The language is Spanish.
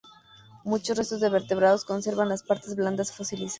Muchos restos de vertebrados conservan las partes blandas fosilizadas.